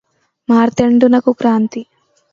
మార్తాండునకు కాంతి